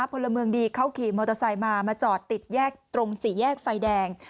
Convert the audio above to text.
พลเมืองดีเขาขี่มอเตอร์ไซค์มามาจอดติดแยกตรงสี่แยกไฟแดง